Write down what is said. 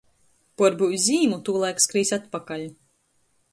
Puorbyus zīmu, tūlaik skrīs atpakaļ.